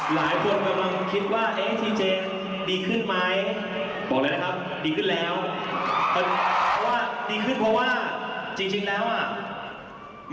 หลายคนกำลังคิดว่าเอ๊ะทีเจดีขึ้นไหม